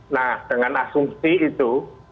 nah dengan asumsi itu